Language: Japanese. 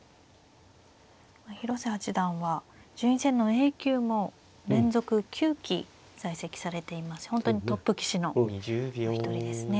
広瀬八段は順位戦のＡ級も連続９期在籍されていますし本当にトップ棋士のお一人ですね。